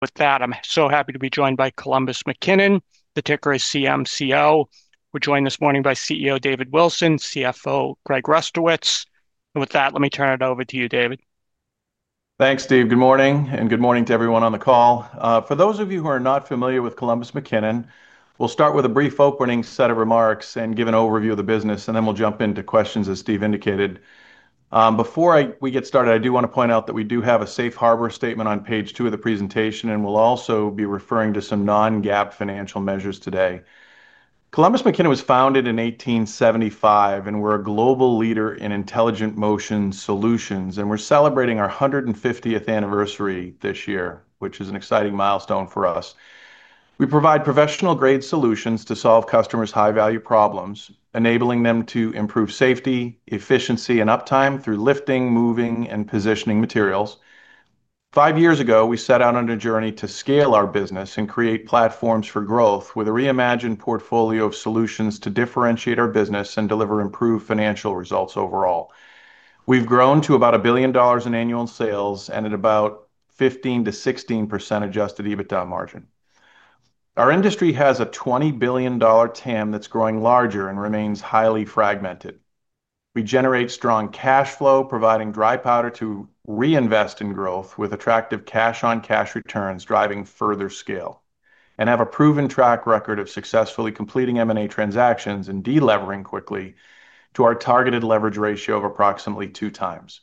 With that, I'm so happy to be joined by Columbus McKinnon, the ticker is CMCO. We're joined this morning by CEO David Wilson and CFO Greg Rustowicz. With that, let me turn it over to you, David. Thanks, Steve. Good morning, and good morning to everyone on the call. For those of you who are not familiar with Columbus McKinnon, we'll start with a brief opening set of remarks and give an overview of the business, and then we'll jump into questions, as Steve indicated. Before we get started, I do want to point out that we do have a safe harbor statement on page two of the presentation, and we'll also be referring to some non-GAAP financial measures today. Columbus McKinnon was founded in 1875, and we're a global leader in intelligent motion solutions, and we're celebrating our 150th anniversary this year, which is an exciting milestone for us. We provide professional-grade solutions to solve customers' high-value problems, enabling them to improve safety, efficiency, and uptime through lifting, moving, and positioning materials. Five years ago, we set out on a journey to scale our business and create platforms for growth with a reimagined portfolio of solutions to differentiate our business and deliver improved financial results overall. We've grown to about $1 billion in annual sales and at about 15% to 16% adjusted EBITDA margin. Our industry has a $20 billion total addressable market that's growing larger and remains highly fragmented. We generate strong cash flow, providing dry powder to reinvest in growth with attractive cash-on-cash returns, driving further scale, and have a proven track record of successfully completing M&A transactions and delevering quickly to our targeted leverage ratio of approximately two times.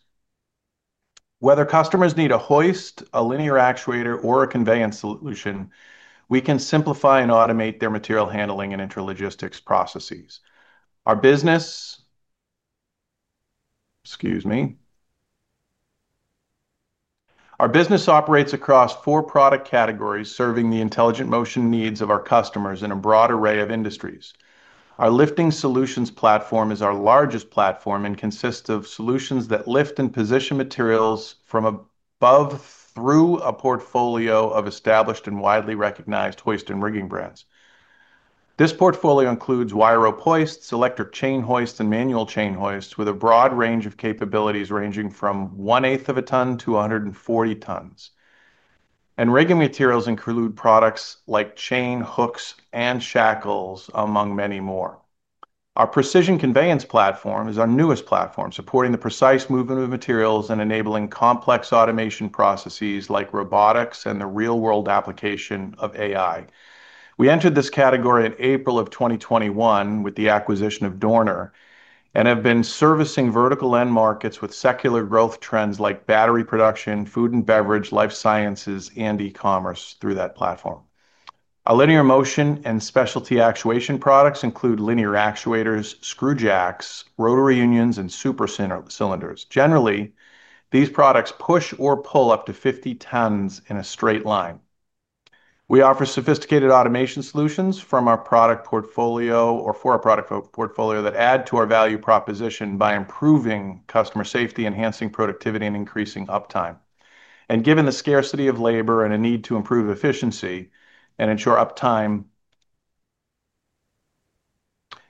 Whether customers need a hoist, a linear actuator, or a conveyance solution, we can simplify and automate their material handling and interlogistics processes. Our business operates across four product categories, serving the intelligent motion needs of our customers in a broad array of industries. Our lifting solutions platform is our largest platform and consists of solutions that lift and position materials from above through a portfolio of established and widely recognized hoist and rigging brands. This portfolio includes wire rope hoists, electric chain hoists, and manual chain hoists with a broad range of capabilities ranging from one eighth of a ton to 140 tons. Rigging materials include products like chain, hooks, and shackles, among many more. Our precision conveyance platform is our newest platform, supporting the precise movement of materials and enabling complex automation processes like robotics and the real-world application of AI. We entered this category in April of 2021 with the acquisition of Dorner and have been servicing vertical end markets with secular growth trends like battery production, food and beverage, life sciences, and e-commerce through that platform. Our linear motion and specialty actuation products include linear actuators, screw jacks, rotary unions, and super cylinders. Generally, these products push or pull up to 50 tons in a straight line. We offer sophisticated automation solutions for our product portfolio that add to our value proposition by improving customer safety, enhancing productivity, and increasing uptime. Given the scarcity of labor and a need to improve efficiency and ensure uptime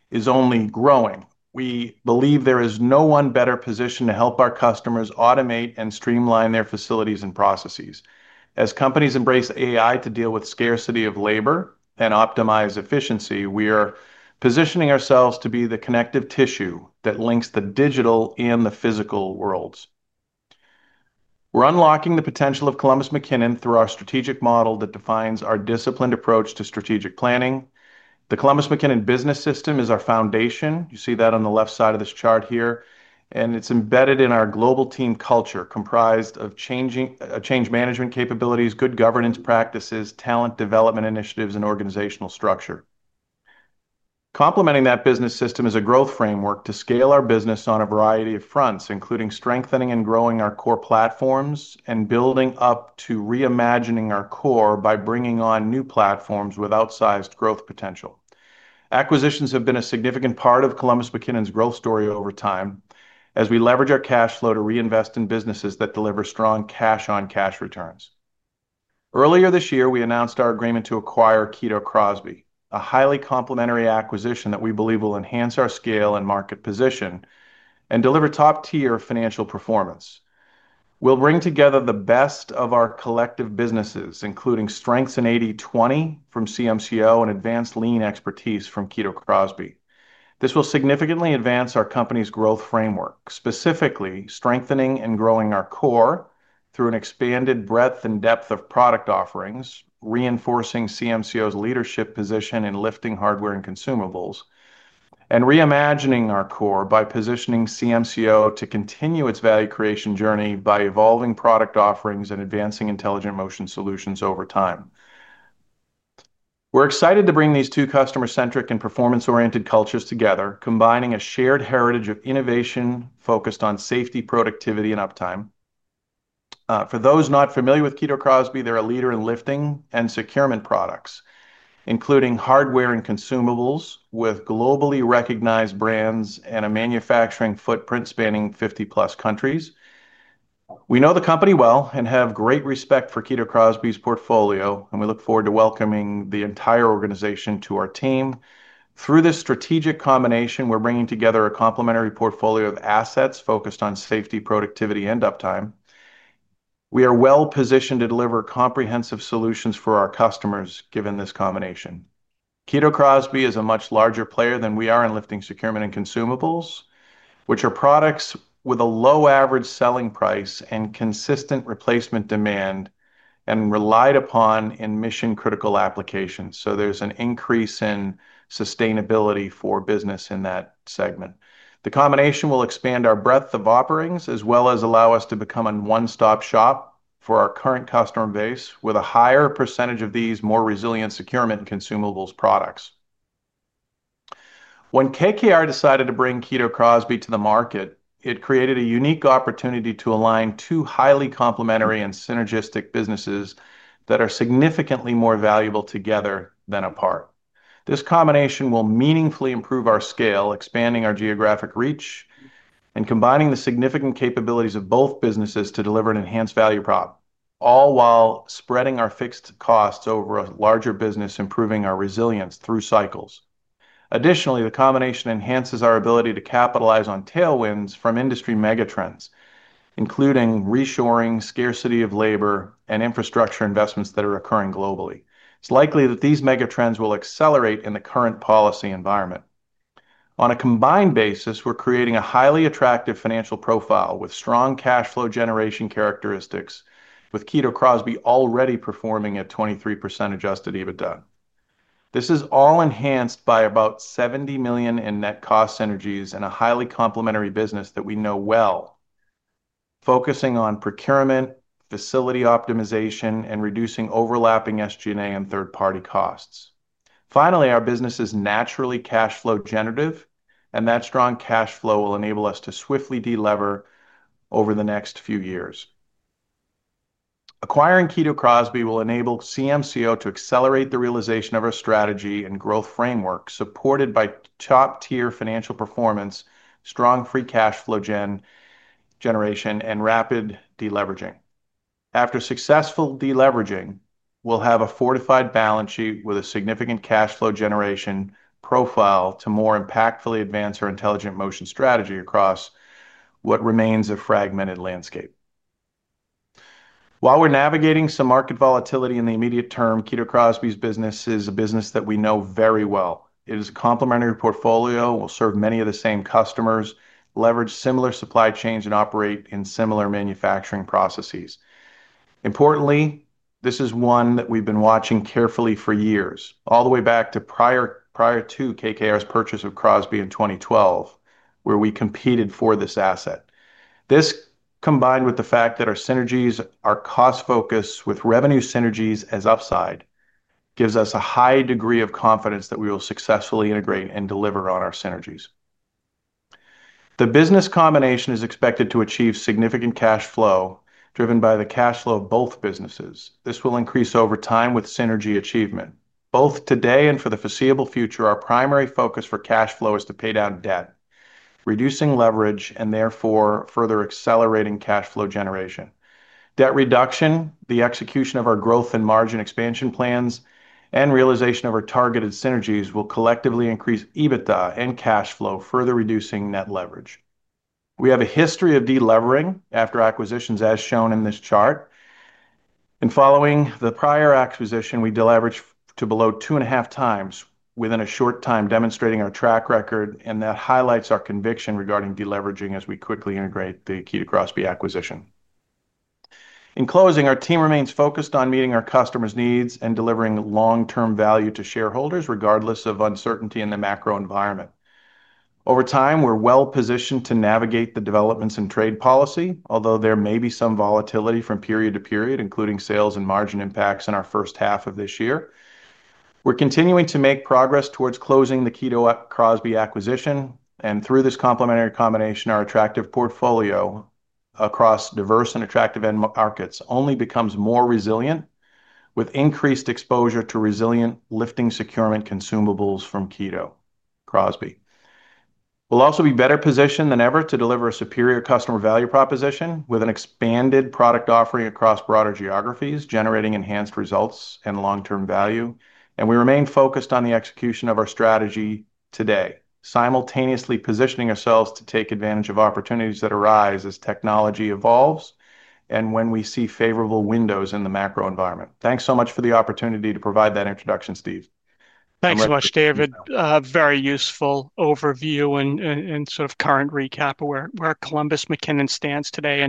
is only growing, we believe there is no one better positioned to help our customers automate and streamline their facilities and processes. As companies embrace AI to deal with scarcity of labor and optimize efficiency, we are positioning ourselves to be the connective tissue that links the digital and the physical worlds. We're unlocking the potential of Columbus McKinnon through our strategic model that defines our disciplined approach to strategic planning. The Columbus McKinnon business system is our foundation. You see that on the left side of this chart here, and it's embedded in our global team culture, comprised of change management capabilities, good governance practices, talent development initiatives, and organizational structure. Complementing that business system is a growth framework to scale our business on a variety of fronts, including strengthening and growing our core platforms and building up to reimagining our core by bringing on new platforms with outsized growth potential. Acquisitions have been a significant part of Columbus McKinnon's growth story over time, as we leverage our cash flow to reinvest in businesses that deliver strong cash-on-cash returns. Earlier this year, we announced our agreement to acquire Kito Crosby, a highly complementary acquisition that we believe will enhance our scale and market position and deliver top-tier financial performance. We'll bring together the best of our collective businesses, including strengths in 80/20 from CMCO and advanced lean expertise from Kito Crosby. This will significantly advance our company's growth framework, specifically strengthening and growing our core through an expanded breadth and depth of product offerings, reinforcing CMCO's leadership position in lifting hardware and consumables, and reimagining our core by positioning CMCO to continue its value creation journey by evolving product offerings and advancing intelligent motion solutions over time. We're excited to bring these two customer-centric and performance-oriented cultures together, combining a shared heritage of innovation focused on safety, productivity, and uptime. For those not familiar with Kito Crosby, they're a leader in lifting and procurement products, including hardware and consumables with globally recognized brands and a manufacturing footprint spanning 50+ countries. We know the company well and have great respect for Kito Crosby's portfolio, and we look forward to welcoming the entire organization to our team. Through this strategic combination, we're bringing together a complementary portfolio of assets focused on safety, productivity, and uptime. We are well positioned to deliver comprehensive solutions for our customers given this combination. Kito Crosby is a much larger player than we are in lifting procurement and consumables, which are products with a low average selling price and consistent replacement demand and relied upon in mission-critical applications. There is an increase in sustainability for business in that segment. The combination will expand our breadth of offerings as well as allow us to become a one-stop shop for our current customer base with a higher percentage of these more resilient procurement and consumables products. When KKR decided to bring Kito Crosby to the market, it created a unique opportunity to align two highly complementary and synergistic businesses that are significantly more valuable together than apart. This combination will meaningfully improve our scale, expanding our geographic reach and combining the significant capabilities of both businesses to deliver an enhanced value prop, all while spreading our fixed costs over a larger business, improving our resilience through cycles. Additionally, the combination enhances our ability to capitalize on tailwinds from industry megatrends, including reshoring, scarcity of labor, and infrastructure investments that are occurring globally. It's likely that these megatrends will accelerate in the current policy environment. On a combined basis, we're creating a highly attractive financial profile with strong cash flow generation characteristics, with Kito Crosby already performing at 23% adjusted EBITDA. This is all enhanced by about $70 million in net cost synergies and a highly complementary business that we know well, focusing on procurement, facility optimization, and reducing overlapping SG&A and third-party costs. Finally, our business is naturally cash flow generative, and that strong cash flow will enable us to swiftly delever over the next few years. Acquiring Kito Crosby will enable Columbus McKinnon to accelerate the realization of our strategy and growth framework, supported by top-tier financial performance, strong free cash flow generation, and rapid deleveraging. After successful deleveraging, we'll have a fortified balance sheet with a significant cash flow generation profile to more impactfully advance our intelligent motion strategy across what remains a fragmented landscape. While we're navigating some market volatility in the immediate term, Kito Crosby's business is a business that we know very well. It is a complementary portfolio, will serve many of the same customers, leverage similar supply chains, and operate in similar manufacturing processes. Importantly, this is one that we've been watching carefully for years, all the way back to prior to KKR's purchase of Crosby in 2012, where we competed for this asset. This, combined with the fact that our synergies are cost-focused with revenue synergies as upside, gives us a high degree of confidence that we will successfully integrate and deliver on our synergies. The business combination is expected to achieve significant cash flow, driven by the cash flow of both businesses. This will increase over time with synergy achievement. Both today and for the foreseeable future, our primary focus for cash flow is to pay down debt, reducing leverage, and therefore further accelerating cash flow generation. Debt reduction, the execution of our growth and margin expansion plans, and realization of our targeted synergies will collectively increase EBITDA and cash flow, further reducing net leverage. We have a history of delevering after acquisitions, as shown in this chart. In following the prior acquisition, we deleveraged to below 2.5 times within a short time, demonstrating our track record, and that highlights our conviction regarding deleveraging as we quickly integrate the Kito Crosby acquisition. In closing, our team remains focused on meeting our customers' needs and delivering long-term value to shareholders, regardless of uncertainty in the macro environment. Over time, we're well positioned to navigate the developments in trade policy, although there may be some volatility from period to period, including sales and margin impacts in our first half of this year. We're continuing to make progress towards closing the Kito Crosby acquisition, and through this complementary combination, our attractive portfolio across diverse and attractive end markets only becomes more resilient with increased exposure to resilient lifting procurement consumables from Kito Crosby. We'll also be better positioned than ever to deliver a superior customer value proposition with an expanded product offering across broader geographies, generating enhanced results and long-term value, and we remain focused on the execution of our strategy today, simultaneously positioning ourselves to take advantage of opportunities that arise as technology evolves and when we see favorable windows in the macro environment. Thanks so much for the opportunity to provide that introduction, Steve. Thanks so much, David. Very useful overview and sort of current recap of where Columbus McKinnon stands today.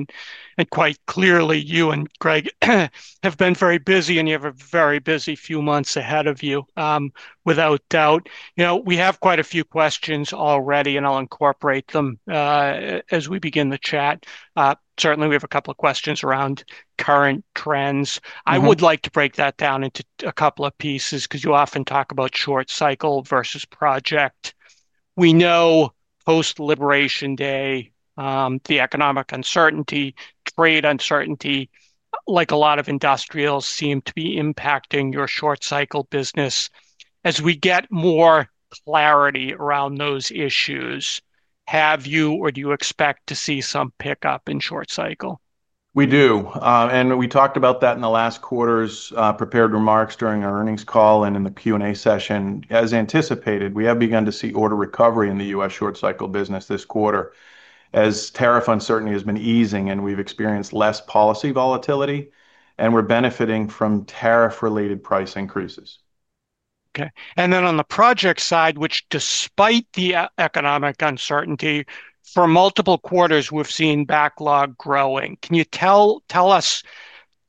Quite clearly, you and Greg have been very busy, and you have a very busy few months ahead of you, without doubt. We have quite a few questions already, and I'll incorporate them as we begin the chat. Certainly, we have a couple of questions around current trends. I would like to break that down into a couple of pieces because you often talk about short cycle versus project. We know post-Liberation Day, the economic uncertainty, trade uncertainty, like a lot of industrials, seem to be impacting your short-cycle business. As we get more clarity around those issues, have you or do you expect to see some pickup in short cycle? We do. We talked about that in the last quarter's prepared remarks during our earnings call and in the Q&A session. As anticipated, we have begun to see order recovery in the U.S. short-cycle business this quarter as tariff uncertainty has been easing, we've experienced less policy volatility, and we're benefiting from tariff-related price increases. Okay. On the project side, which despite the economic uncertainty, for multiple quarters, we've seen backlog growing. Can you tell us,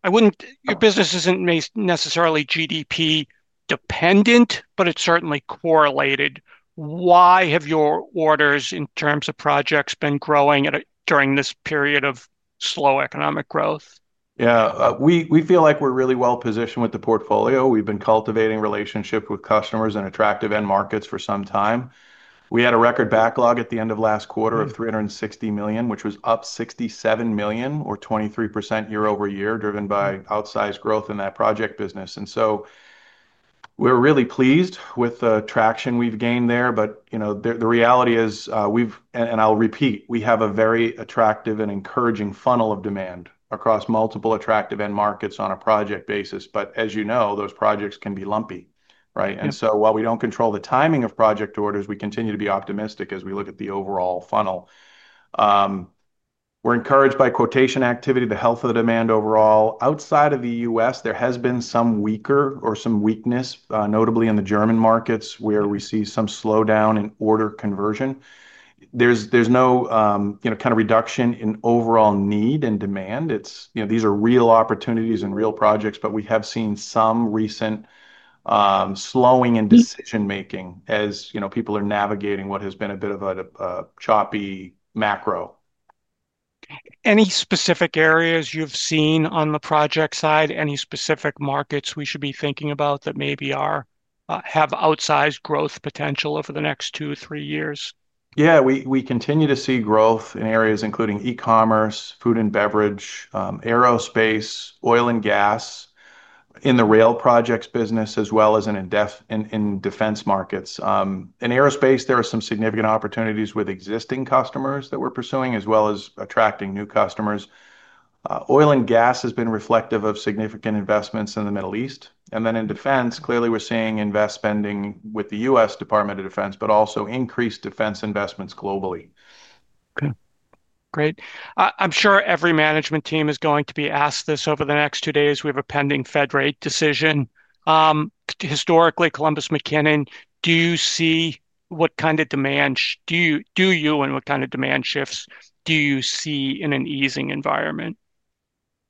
your business isn't necessarily GDP dependent, but it's certainly correlated. Why have your orders in terms of projects been growing during this period of slow economic growth? Yeah, we feel like we're really well positioned with the portfolio. We've been cultivating relationships with customers in attractive end markets for some time. We had a record backlog at the end of last quarter of $360 million, which was up $67 million or 23% year over year, driven by outsized growth in that project business. We're really pleased with the traction we've gained there. The reality is, we have a very attractive and encouraging funnel of demand across multiple attractive end markets on a project basis. As you know, those projects can be lumpy, right? While we don't control the timing of project orders, we continue to be optimistic as we look at the overall funnel. We're encouraged by quotation activity, the health of the demand overall. Outside of the U.S., there has been some weakness, notably in the German markets where we see some slowdown in order conversion. There's no reduction in overall need and demand. These are real opportunities and real projects, but we have seen some recent slowing in decision making as people are navigating what has been a bit of a choppy macro. Any specific areas you've seen on the project side? Any specific markets we should be thinking about that maybe have outsized growth potential over the next two or three years? Yeah, we continue to see growth in areas including e-commerce, food and beverage, aerospace, oil and gas, in the rail projects business, as well as in defense markets. In aerospace, there are some significant opportunities with existing customers that we're pursuing, as well as attracting new customers. Oil and gas has been reflective of significant investments in the Middle East. In defense, clearly we're seeing spending with the U.S. Department of Defense, but also increased defense investments globally. Okay, great. I'm sure every management team is going to be asked this over the next two days. We have a pending Fed rate decision. Historically, Columbus McKinnon, do you see what kind of demand do you and what kind of demand shifts do you see in an easing environment?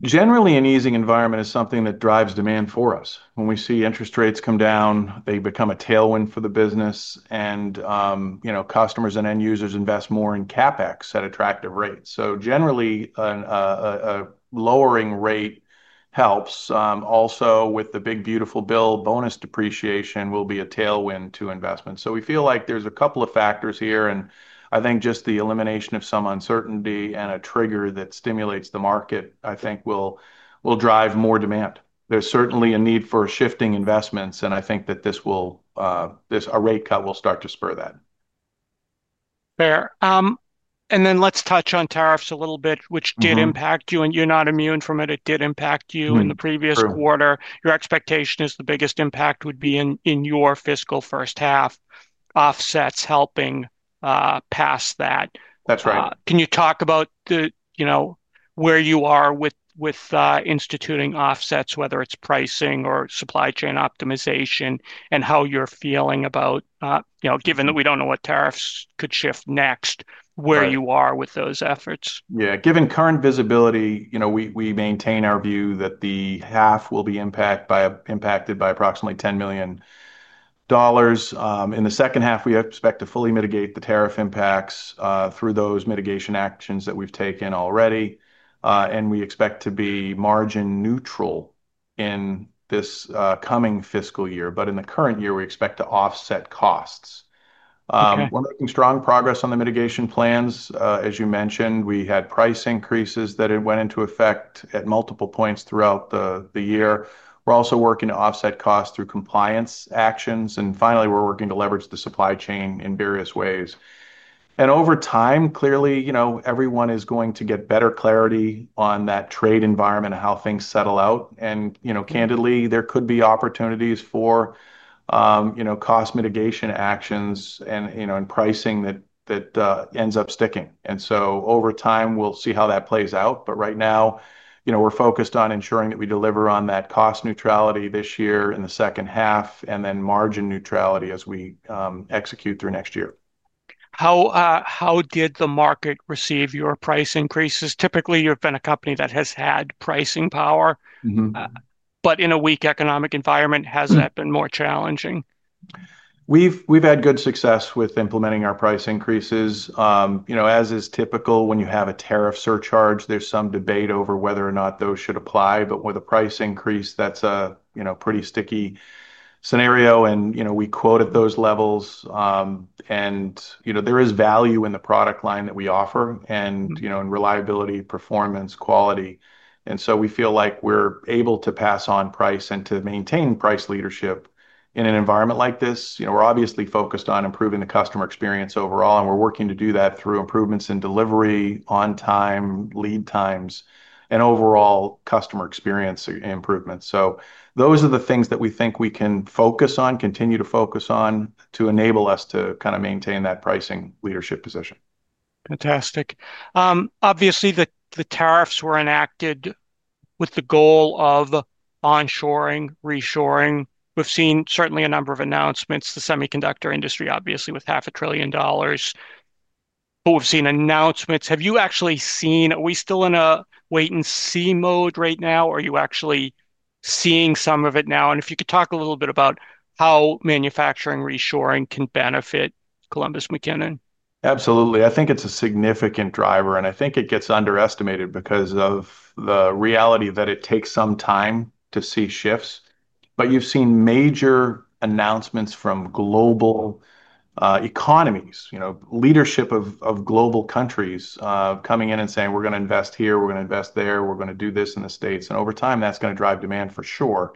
Generally, an easing environment is something that drives demand for us. When we see interest rates come down, they become a tailwind for the business, and, you know, customers and end users invest more in CapEx at attractive rates. Generally, a lowering rate helps. Also, with the big beautiful bill, bonus depreciation will be a tailwind to investments. We feel like there's a couple of factors here, and I think just the elimination of some uncertainty and a trigger that stimulates the market will drive more demand. There's certainly a need for shifting investments, and I think that a rate cut will start to spur that. Fair. Let's touch on tariffs a little bit, which did impact you, and you're not immune from it. It did impact you in the previous quarter. Your expectation is the biggest impact would be in your fiscal first half, offsets helping pass that. That's right. Can you talk about where you are with instituting offsets, whether it's pricing or supply chain optimization, and how you're feeling about, given that we don't know what tariffs could shift next, where you are with those efforts? Given current visibility, we maintain our view that the half will be impacted by approximately $10 million. In the second half, we expect to fully mitigate the tariff impacts through those mitigation actions that we've taken already, and we expect to be margin neutral in this coming fiscal year. In the current year, we expect to offset costs. We're making strong progress on the mitigation plans. As you mentioned, we had price increases that went into effect at multiple points throughout the year. We're also working to offset costs through compliance actions, and finally, we're working to leverage the supply chain in various ways. Over time, everyone is going to get better clarity on that trade environment and how things settle out. Candidly, there could be opportunities for cost mitigation actions and in pricing that ends up sticking. Over time, we'll see how that plays out. Right now, we're focused on ensuring that we deliver on that cost neutrality this year in the second half and then margin neutrality as we execute through next year. How did the market receive your price increases? Typically, you've been a company that has had pricing power. In a weak economic environment, has that been more challenging? We've had good success with implementing our price increases. As is typical when you have a tariff surcharge, there's some debate over whether or not those should apply. With a price increase, that's a pretty sticky scenario, and we quote at those levels. There is value in the product line that we offer, in reliability, performance, and quality. We feel like we're able to pass on price and to maintain price leadership in an environment like this. We're obviously focused on improving the customer experience overall, and we're working to do that through improvements in delivery, on-time lead times, and overall customer experience improvements. Those are the things that we think we can focus on, continue to focus on to enable us to kind of maintain that pricing leadership position. Fantastic. Obviously, the tariffs were enacted with the goal of onshoring, reshoring. We've seen certainly a number of announcements. The semiconductor industry, obviously, with half a trillion dollars, but we've seen announcements. Have you actually seen, are we still in a wait-and-see mode right now, or are you actually seeing some of it now? If you could talk a little bit about how manufacturing reshoring can benefit Columbus McKinnon. Absolutely. I think it's a significant driver, and I think it gets underestimated because of the reality that it takes some time to see shifts. You've seen major announcements from global economies, leadership of global countries coming in and saying, "We're going to invest here, we're going to invest there, we're going to do this in the U.S." Over time, that's going to drive demand for sure.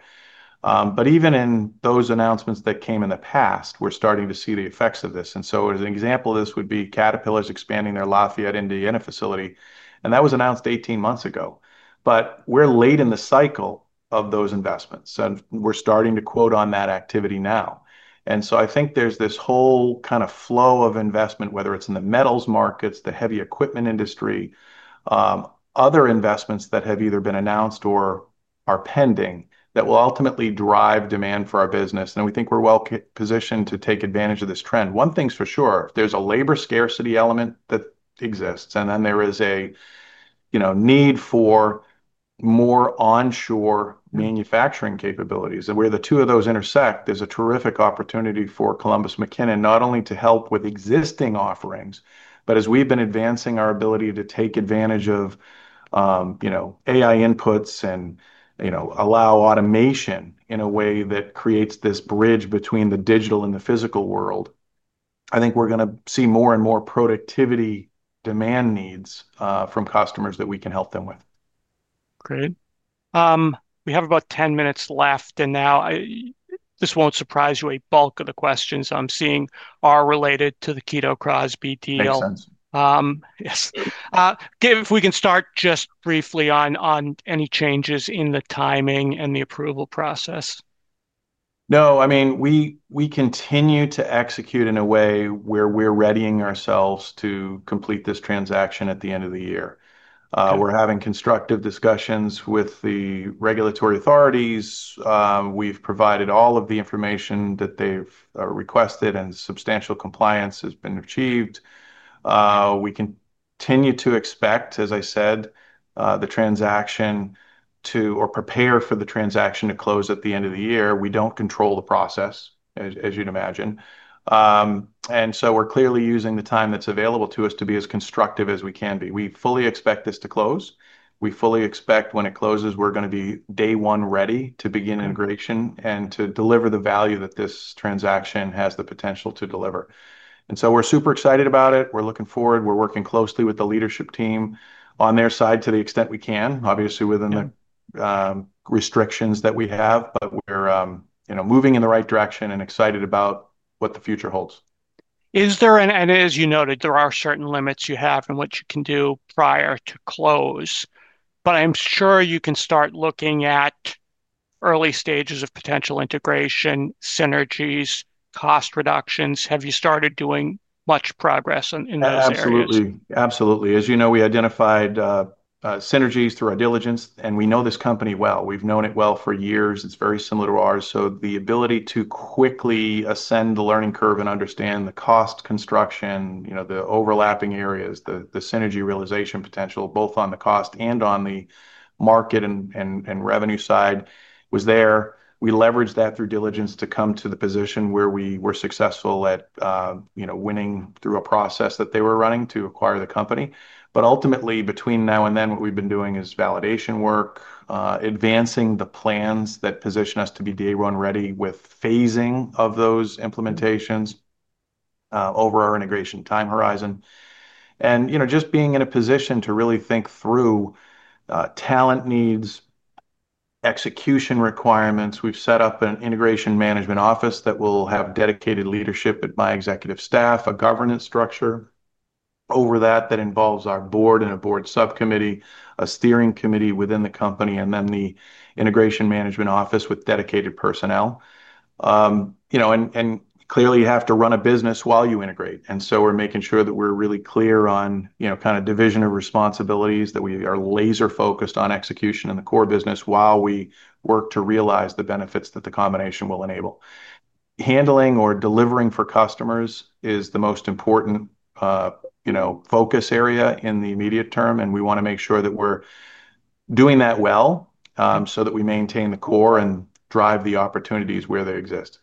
Even in those announcements that came in the past, we're starting to see the effects of this. As an example, this would be Caterpillar expanding their Lafayette, Indiana facility. That was announced 18 months ago. We're late in the cycle of those investments, and we're starting to quote on that activity now. I think there's this whole kind of flow of investment, whether it's in the metals markets, the heavy equipment industry, or other investments that have either been announced or are pending that will ultimately drive demand for our business. We think we're well positioned to take advantage of this trend. One thing's for sure, there's a labor scarcity element that exists, and then there is a need for more onshore manufacturing capabilities. Where the two of those intersect, there's a terrific opportunity for Columbus McKinnon, not only to help with existing offerings, but as we've been advancing our ability to take advantage of AI inputs and allow automation in a way that creates this bridge between the digital and the physical world. I think we're going to see more and more productivity demand needs from customers that we can help them with. Great. We have about 10 minutes left, and now this won't surprise you, a bulk of the questions I'm seeing are related to the Kito Crosby deal. Makes sense. Yes. David, if we can start just briefly on any changes in the timing and the approval process. No, I mean, we continue to execute in a way where we're readying ourselves to complete this transaction at the end of the year. We're having constructive discussions with the regulatory authorities. We've provided all of the information that they've requested, and substantial compliance has been achieved. We continue to expect, as I said, the transaction to, or prepare for the transaction to close at the end of the year. We don't control the process, as you'd imagine. We're clearly using the time that's available to us to be as constructive as we can be. We fully expect this to close. We fully expect when it closes, we're going to be day one ready to begin integration and to deliver the value that this transaction has the potential to deliver. We're super excited about it. We're looking forward. We're working closely with the leadership team on their side to the extent we can, obviously within the restrictions that we have, but we're moving in the right direction and excited about what the future holds. Is there, and as you noted, there are certain limits you have in what you can do prior to close, but I'm sure you can start looking at early stages of potential integration, synergies, cost reductions. Have you started doing much progress in those areas? Absolutely. Absolutely. As you know, we identified synergies through our diligence, and we know this company well. We've known it well for years. It's very similar to ours. The ability to quickly ascend the learning curve and understand the cost construction, the overlapping areas, the synergy realization potential, both on the cost and on the market and revenue side, was there. We leveraged that through diligence to come to the position where we were successful at winning through a process that they were running to acquire the company. Ultimately, between now and then, what we've been doing is validation work, advancing the plans that position us to be day one ready with phasing of those implementations over our integration time horizon. Just being in a position to really think through talent needs and execution requirements. We've set up an integration management office that will have dedicated leadership at my executive staff, a governance structure over that that involves our board and a board subcommittee, a steering committee within the company, and then the integration management office with dedicated personnel. Clearly, you have to run a business while you integrate. We are making sure that we're really clear on division of responsibilities, that we are laser focused on execution in the core business while we work to realize the benefits that the combination will enable. Handling or delivering for customers is the most important focus area in the immediate term, and we want to make sure that we're doing that well so that we maintain the core and drive the opportunities where they exist.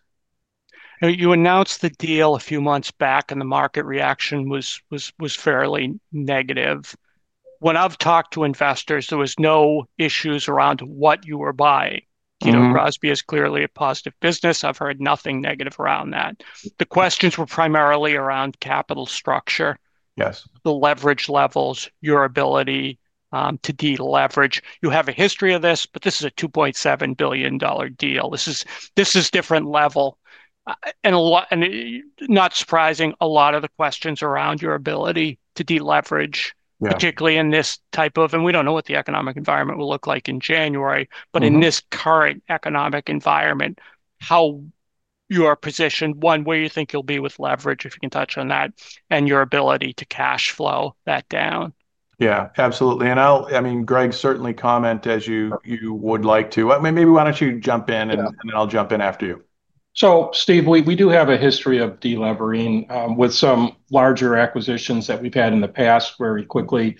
You announced the deal a few months back, and the market reaction was fairly negative. When I've talked to investors, there were no issues around what you were buying. Kito Crosby is clearly a positive business. I've heard nothing negative around that. The questions were primarily around capital structure. Yes. The leverage levels, your ability to deleverage. You have a history of this, but this is a $2.7 billion deal. This is a different level. Not surprising, a lot of the questions around your ability to deleverage, particularly in this type of, and we don't know what the economic environment will look like in January, but in this current economic environment, how you are positioned, one, where you think you'll be with leverage, if you can touch on that, and your ability to cash flow that down. Yeah, absolutely. Greg, certainly comment as you would like to. Maybe why don't you jump in and I'll jump in after you. Steve, we do have a history of deleveraging with some larger acquisitions that we've had in the past very quickly.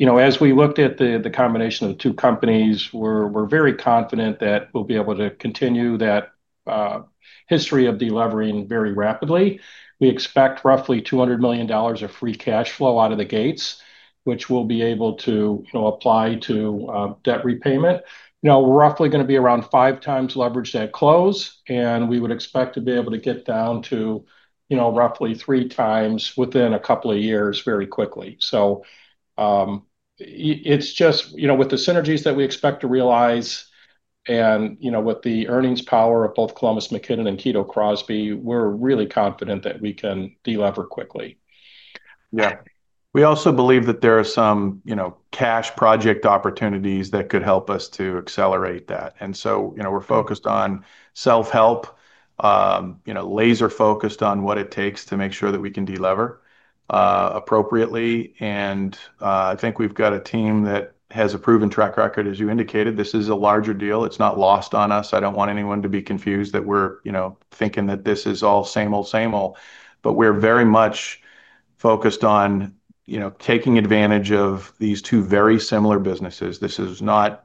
As we looked at the combination of the two companies, we're very confident that we'll be able to continue that history of deleveraging very rapidly. We expect roughly $200 million of free cash flow out of the gates, which we'll be able to apply to debt repayment. We're roughly going to be around five times leverage at close, and we would expect to be able to get down to roughly three times within a couple of years very quickly. With the synergies that we expect to realize and with the earnings power of both Columbus McKinnon and Kito Crosby, we're really confident that we can delever quickly. Yeah. We also believe that there are some cash project opportunities that could help us to accelerate that. We're focused on self-help, laser focused on what it takes to make sure that we can delever appropriately. I think we've got a team that has a proven track record. As you indicated, this is a larger deal. It's not lost on us. I don't want anyone to be confused that we're thinking that this is all same old, same old. We're very much focused on taking advantage of these two very similar businesses. This is not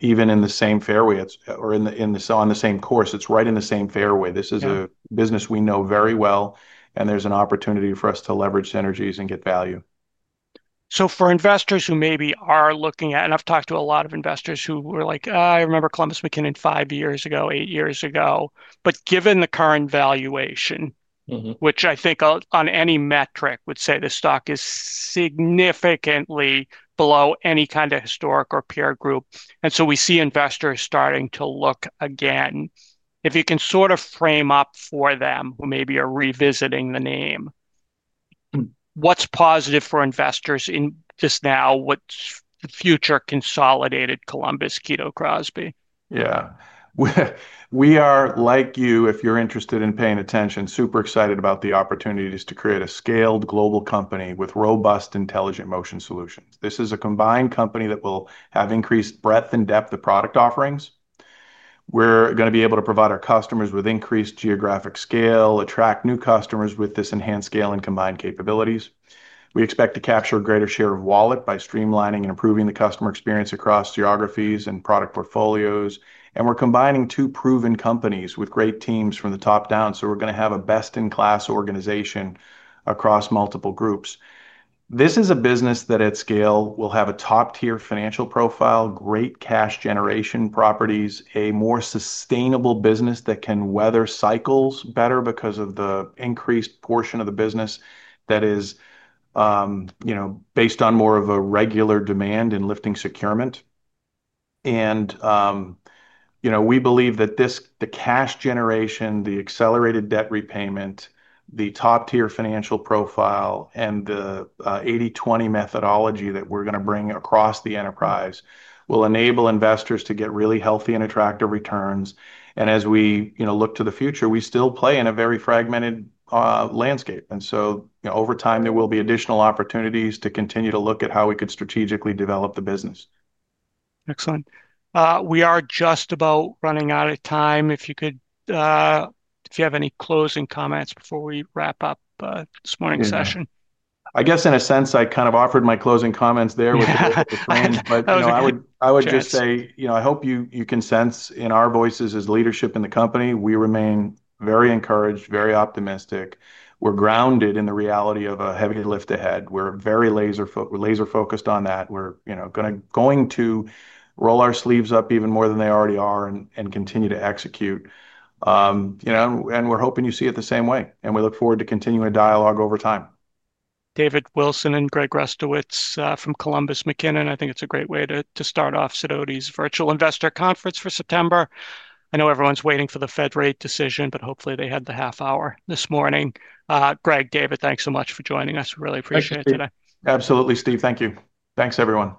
even in the same fairway, or on the same course, it's right in the same fairway. This is a business we know very well, and there's an opportunity for us to leverage synergies and get value. For investors who maybe are looking at, and I've talked to a lot of investors who were like, I remember Columbus McKinnon five years ago, eight years ago, given the current valuation, which I think on any metric would say the stock is significantly below any kind of historic or peer group, we see investors starting to look again. If you can sort of frame up for them who maybe are revisiting the name, what's positive for investors in just now with future consolidated Columbus McKinnon Kito Crosby? Yeah, we are like you, if you're interested in paying attention, super excited about the opportunities to create a scaled global company with robust intelligent motion solutions. This is a combined company that will have increased breadth and depth of product offerings. We're going to be able to provide our customers with increased geographic scale, attract new customers with this enhanced scale and combined capabilities. We expect to capture a greater share of wallet by streamlining and improving the customer experience across geographies and product portfolios. We're combining two proven companies with great teams from the top down. We're going to have a best-in-class organization across multiple groups. This is a business that at scale will have a top-tier financial profile, great cash generation properties, a more sustainable business that can weather cycles better because of the increased portion of the business that is, you know, based on more of a regular demand in lifting procurement. We believe that the cash generation, the accelerated debt repayment, the top-tier financial profile, and the 80/20 methodology that we're going to bring across the enterprise will enable investors to get really healthy and attractive returns. As we look to the future, we still play in a very fragmented landscape. Over time, there will be additional opportunities to continue to look at how we could strategically develop the business. Excellent. We are just about running out of time. If you could, if you have any closing comments before we wrap up this morning's session. I guess in a sense, I kind of offered my closing comments there with the train, but I would just say I hope you can sense in our voices as leadership in the company, we remain very encouraged, very optimistic. We're grounded in the reality of a heavy lift ahead. We're very laser-focused on that. We're going to roll our sleeves up even more than they already are and continue to execute. We're hoping you see it the same way. We look forward to continuing the dialogue over time. David Wilson and Greg Rustowicz from Columbus McKinnon, I think it's a great way to start off Sidoti's Virtual Investor Conference for September. I know everyone's waiting for the Fed rate decision, but hopefully they had the half hour this morning. Greg, David, thanks so much for joining us. Really appreciate it today. Absolutely, Steve. Thank you. Thanks, everyone.